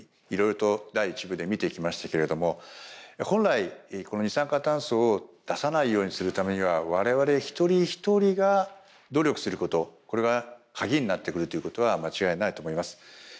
いろいろと第一部で見てきましたけれども本来この二酸化炭素を出さないようにするためには我々一人一人が努力することこれが鍵になってくるということは間違いないと思います。